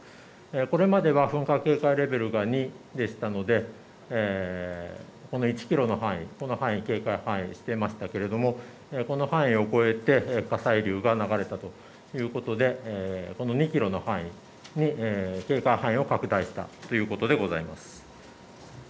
これまでは噴火警戒レベルが２でしたのでこの１キロの範囲に、この範囲警戒範囲にしていましたがこの範囲を超えて火砕流が流れてきたということでこの２キロの範囲に警戒範囲を拡大したということでございます。